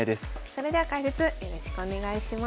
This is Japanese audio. それでは解説よろしくお願いします。